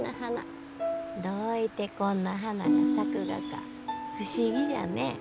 どういてこんな花が咲くがか不思議じゃね。